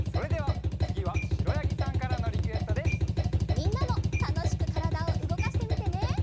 みんなもたのしくからだをうごかしてみてね！